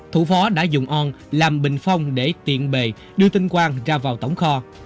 thủ phó đã dùng on làm bình phong để tiện bề đưa tin quang ra vào tổng kho